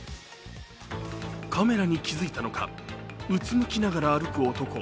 カメラに気付いたのかうつむきながら歩く男。